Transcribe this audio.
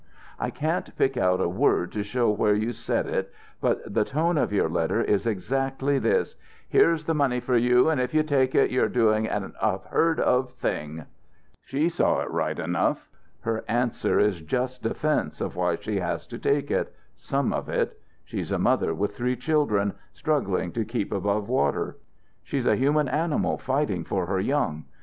I can't pick out a word to show where you said it, but the tone of your letter is exactly this, 'Here's the money for you, and if you take it you're doing an unheard of thing.' She saw it right enough. Her answer is just defence of why she has to take it some of it. She's a mother with three children, struggling to keep above water. She's a human animal fighting for her young.